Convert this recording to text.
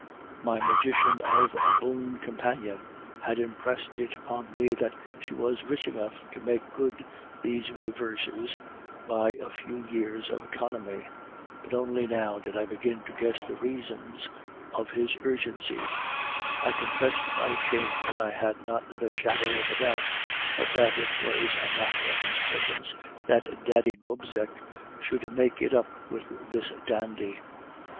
My magician of a boon companion had impressed it upon me that she was rich enough to make good these reverses by a few years of economy. But only now did I begin to guess the reasons of his urgency. I confess, to my shame, that I had not the shadow of a doubt but that it was a matter of importance that Daddy Gobseck should make it up with this dandy.